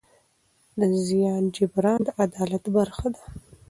د زیان جبران د عدالت برخه ده.